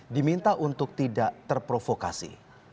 diminta untuk tidak terprovokasi